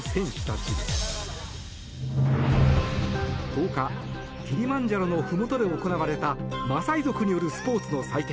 １０日、キリマンジャロのふもとで行われたマサイ族によるスポーツの祭典